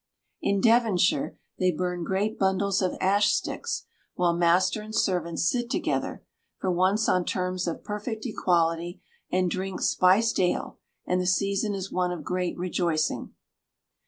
In Devonshire, they burn great bundles of ash sticks, while master and servants sit together, for once on terms of perfect equality, and drink spiced ale, and the season is one of great rejoicing.